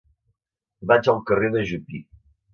Vaig al carrer de Jupí.